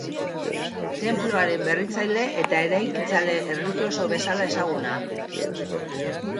Tenpluaren berritzaile eta eraikitzaile erlijioso bezala ezaguna.